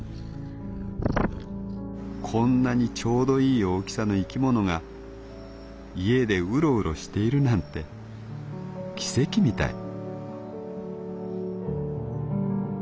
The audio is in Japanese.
「こんなにちょうどいい大きさの生き物が家でうろうろしているなんて奇跡みたい」。